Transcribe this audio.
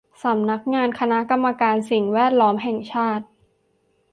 สำนักงานคณะกรรมการสิ่งแวดล้อมแห่งชาติ